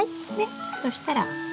そしたら。